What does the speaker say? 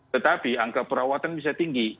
tetapi angka perawatan bisa tinggi